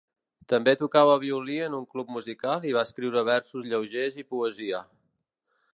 També tocava el violí en un club musical i va escriure versos lleugers i poesia.